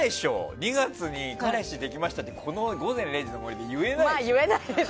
２月に彼氏できましたって「午前０時の森」で言えないでしょ。